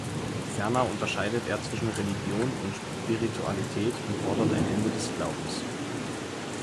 Ferner unterscheidet er zwischen Religion und Spiritualität und fordert ein Ende des Glaubens.